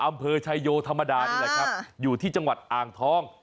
อำเภอชายโยธรรมดานี่แหละครับอยู่ที่จังหวัดอ่างทอง